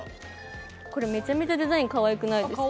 これ、めちゃめちゃデザインかわいくないですか？